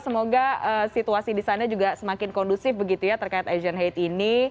semoga situasi di sana juga semakin kondusif begitu ya terkait asian hate ini